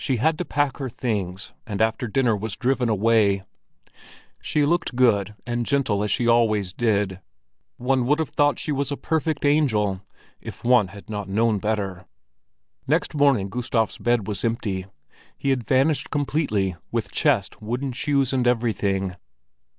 She had to pack her things, and after dinner was driven away. She looked good and gentle as she always did; one would have thought she was a perfect angel—if one had not known better. Next morning Gustav's bed was empty. He had vanished completely, with chest, wooden shoes and everything.